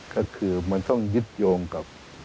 ก็คือมันต้องยึดโยงกับ